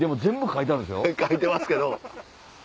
書いてますけど。